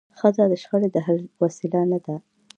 ښځه د شخړي د حل وسیله نه ده.